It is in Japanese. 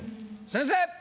先生！